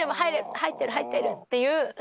入ってる入ってるっていう気持ちで。